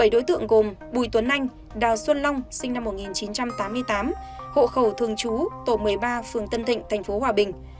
bảy đối tượng gồm bùi tuấn anh đào xuân long sinh năm một nghìn chín trăm tám mươi tám hộ khẩu thường trú tổ một mươi ba phường tân thịnh tp hòa bình